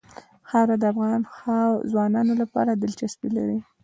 خاوره د افغان ځوانانو لپاره دلچسپي لري.